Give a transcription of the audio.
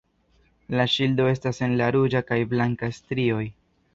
La ŝildo estas en la ruĝa kaj blanka strioj.